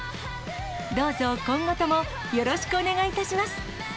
どうぞ今後ともよろしくお願いいたします。